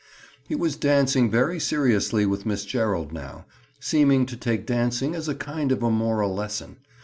He was dancing very seriously with Miss Gerald now, seeming to take dancing as a kind of a moral lesson.